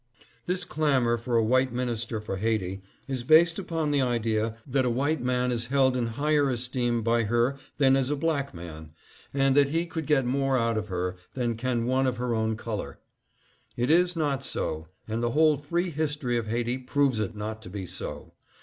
This clamor for a white minister for Haiti is based upon the idea that a white man is held in higher esteem by her than is a black man, and that he could get more out of her than can one of her own color. It is not so, and the whole free history of Haiti proves it not to be so.